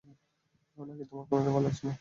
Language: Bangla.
নাকি তোমার কোনটাই ভালো লাগছেনা?